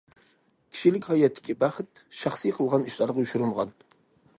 كىشىلىك ھاياتتىكى بەخت، شەخسىي قىلغان ئىشلارغا يوشۇرۇنغان.